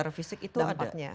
secara fisik itu ada